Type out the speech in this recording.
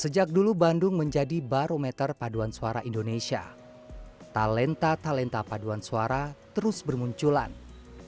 sejak dulu bandung menjadi barometer paduan suara indonesia talenta talenta paduan suara terus bermuncul dalam pandemi ini